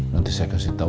nanti saya kasih tau